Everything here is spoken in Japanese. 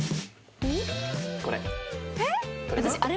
これ。